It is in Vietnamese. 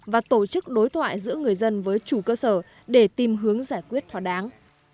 và tổ chức đối thoại giữa người dân với chủ cơ sở để tìm hướng giải quyết thỏa đáng